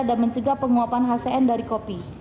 dan mencegah penguapan hcn dari kopi